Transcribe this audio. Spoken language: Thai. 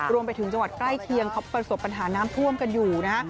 รวมไปถึงจังหวัดใกล้เคียงเขาประสบปัญหาน้ำท่วมกันอยู่นะฮะ